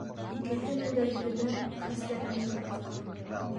Икеһенең дә йөҙөнә хәсрәт мөһөр баҫҡан.